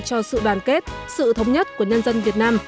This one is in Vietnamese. cho sự đoàn kết sự thống nhất của nhân dân việt nam